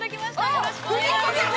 よろしくお願いします。